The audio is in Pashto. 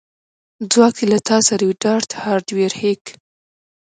ځواک دې له تا سره وي ډارت هارډویر هیک